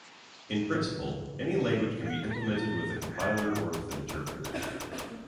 In principle, any language can be implemented with a compiler or with an interpreter.